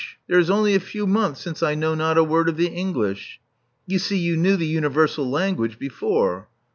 There is only a few months since I know not a word of the English." You see you knew the universal language before."